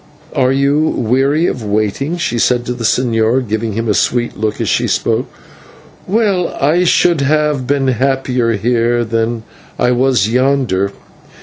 "Are you weary of waiting?" she said to the señor, giving him a sweet look as she spoke. "Well, I should have been happier here than I was yonder.